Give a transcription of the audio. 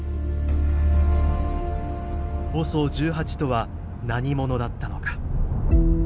ＯＳＯ１８とは何者だったのか。